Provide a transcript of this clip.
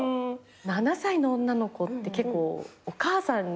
７歳の女の子って結構お母さんに。